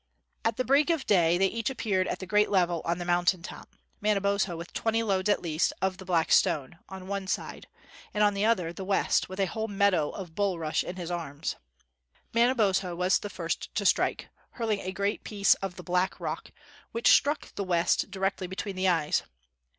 At the break of day they each appeared at the great level on the mountain top, Manabozho with twenty loads, at least, of the black stone, on one side, and on the other the West, with a whole meadow of bulrush in his arms. Manabozho was the first to strike hurling a great piece of the black rock, which struck the West directly between the eyes.